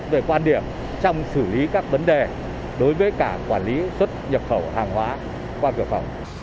về quan điểm trong xử lý các vấn đề đối với cả quản lý xuất nhập khẩu hàng hóa qua cửa khẩu